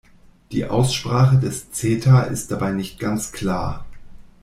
Die Aussprache des Zeta ist dabei nicht ganz klar.